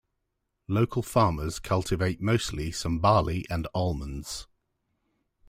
Local farmers cultivate mostly some barley and almonds.